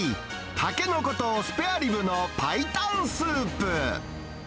タケノコとスペアリブの白湯スープ。